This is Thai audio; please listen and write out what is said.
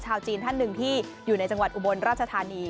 ชาวจีนท่านหนึ่งที่อยู่ในจังหวัดอุบลราชธานี